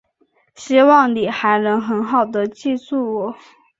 希望你还能很好地记住我。